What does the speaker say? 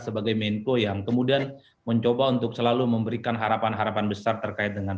sebagai menko yang kemudian mencoba untuk selalu memberikan harapan harapan besar terkait dengan